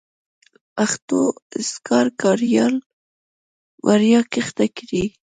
پښتو اذکار کاریال وړیا کښته کړئ